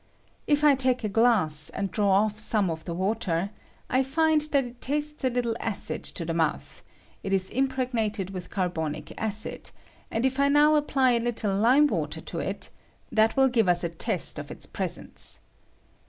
If I take a , glass and draw off some of the water, I find I that it tastes a Uttlc acid to the mouth ; it is impregnated with carbonic acid ; and if I now apply a little lime water to it, that will give us ft test of its presence.